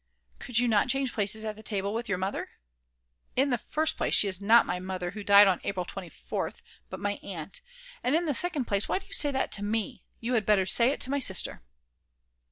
"Could you not change places at table with your mother?" "In the first place, she is not my Mother, who died on April 24th, but my Aunt, and in the second place, why do you say that to me, you had better say it to my sister!"